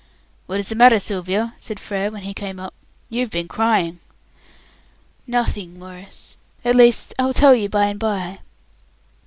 "What is the matter, Sylvia?" said Frere, when he came up. "You've been crying." "Nothing, Maurice; at least, I will tell you by and by."